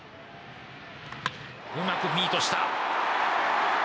うまくミートした。